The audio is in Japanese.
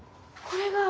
これが。